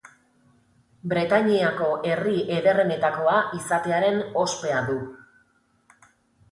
Bretainiako herri ederrenetakoa izatearen ospea du.